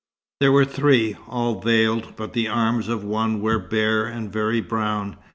There were three, all veiled, but the arms of one were bare and very brown.